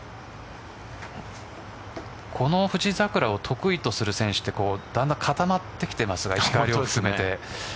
この富士桜を得意とする選手ってだんだん固まってきていますか。